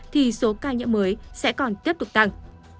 thì số ca nhiễm mới sẽ còn tiếp tục tăng